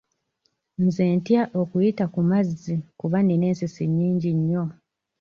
Nze ntya okuyita ku mazzi kuba nnina ensisi nnyingi nnyo.